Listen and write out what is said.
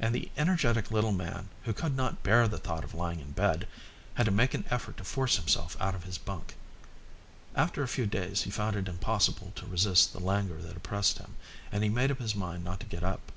And the energetic little man, who could not bear the thought of lying in bed, had to make an effort to force himself out of his bunk. After a few days he found it impossible to resist the languor that oppressed him, and he made up his mind not to get up.